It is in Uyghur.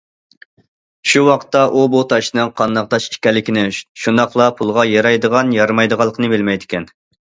شۇ ۋاقىتتا ئۇ بۇ تاشنىڭ قانداق تاش ئىكەنلىكىنى، شۇنداقلا پۇلغا يارايدىغان يارىمايدىغانلىقىنى بىلمەيدىكەن.